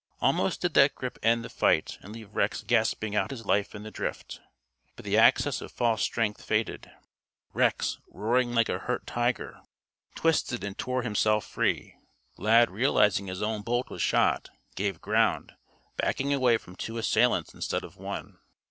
Almost did that grip end the fight and leave Rex gasping out his life in the drift. But the access of false strength faded. Rex, roaring like a hurt tiger, twisted and tore himself free. Lad realizing his own bolt was shot, gave ground, backing away from two assailants instead of one.